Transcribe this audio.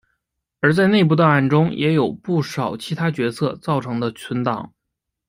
而在内部档案中也有不少其他角色造成的存档。